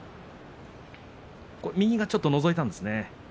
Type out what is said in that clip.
右がちょっとのぞいたんですね。